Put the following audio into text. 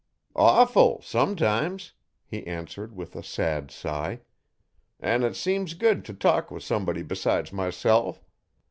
'Awful sometimes,' he answered with a sad sigh, 'an' it seems good t' talk with somebody besides myself.